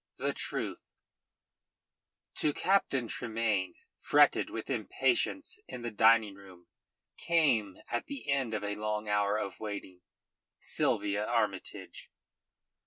THE TRUTH To Captain Tremayne, fretted with impatience in the diningroom, came, at the end of a long hour of waiting, Sylvia Armytage.